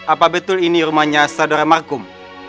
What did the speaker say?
apa betul ini rumahnya saudara markum